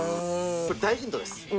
これ大ヒントです。